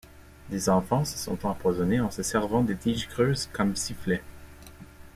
Des enfants se sont empoisonnés en se servant des tiges creuses comme sifflets.